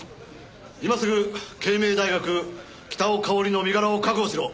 今すぐ慶明大学北尾佳織の身柄を確保しろ。